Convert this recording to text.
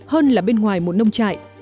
hơn là bên ngoài một nông trại